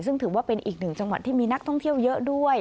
ซึ่งถือว่าเป็นอีกหนึ่งจังหวัดที่มีนักท่องเที่ยวเยอะด้วย